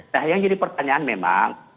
nah yang jadi pertanyaan memang